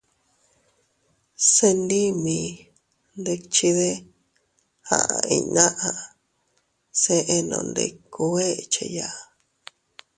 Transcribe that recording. —Se ndii mii ndikchide— aʼa inñnaʼa—, se enondikuu echeya.